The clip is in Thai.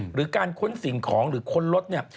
หรือการค้นสิ่งของหรือค้นรถเนี่ย